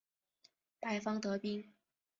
白方得兵。